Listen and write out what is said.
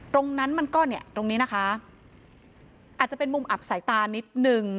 มันก็เนี่ยตรงนี้นะคะอาจจะเป็นมุมอับสายตานิดนึง